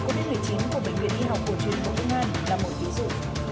covid một mươi chín của bệnh viện y học của chủ nghĩa thống nhân là một ví dụ